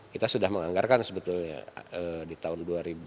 kita sudah menganggarkan sebetulnya di tahun dua ribu dua